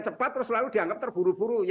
cepat terus lalu dianggap terburu buru